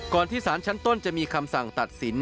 ที่สารชั้นต้นจะมีคำสั่งตัดสิน